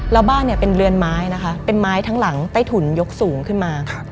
แล้วบ้านเนี่ยเป็นเรือนไม้นะคะเป็นไม้ทั้งหลังใต้ถุนยกสูงขึ้นมา